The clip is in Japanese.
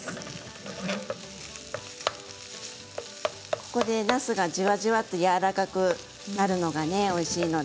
ここでなすがじわじわとやわらかくなるのがおいしいので。